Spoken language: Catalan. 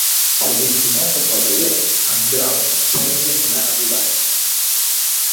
El vint-i-nou de febrer en Grau i en Sergi aniran a Godall.